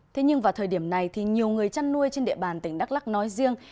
thế nhưng vào thời điểm này thì nhiều người chăn nuôi trên địa bàn tỉnh đắk lắc nói riêng